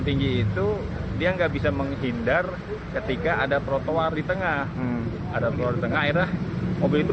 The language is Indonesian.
tinggi itu dia nggak bisa menghindar ketika ada trotoar di tengah ada telur tengah akhirnya mobil itu